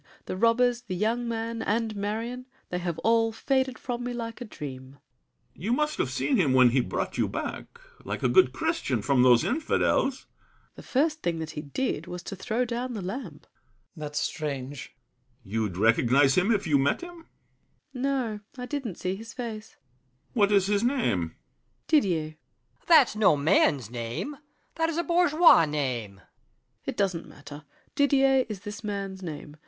The robbers, the young man, and Marion— They have all faded from me like a dream. BRICHANTEAU. You must have seen him when he brought you back, Like a good Christian, from those infidels. SAVERNY. The first thing that he did was to throw down The lamp. GASSÉ. That's strange! BRICHANTEAU. You'd recognize him if You met him? SAVERNY. No; I didn't see his face. BRICHANTEAU. What is his name? SAVERNY. Didier. ROCHEBARON. That's no man's name! That is a bourgeois name. SAVERNY. It doesn't matter. Didier is this man's name.